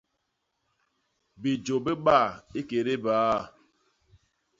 Bijô bibaa ikédé biaa.